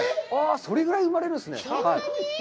それぐらい生まれるんですね。